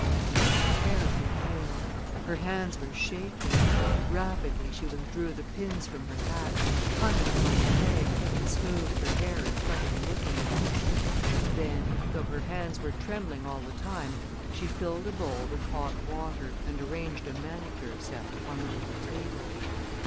She was terribly pale; her hands were shaking. Rapidly she withdrew the pins from her hat, hung it upon a peg and smoothed her hair in front of the looking glass. Then, though her hands were trembling all the time, she filled a bowl with hot water and arranged a manicure set on a little table.